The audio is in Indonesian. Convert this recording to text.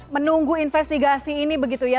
menunggu investigasi ini begitu ya